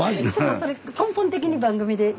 それ根本的に番組で。